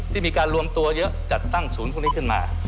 ที่มีการรวมตัวเยอะจัดตั้งศูนย์พวกนี้ขึ้นมา